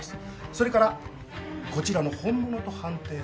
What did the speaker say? それからこちらの本物と判定された仏像。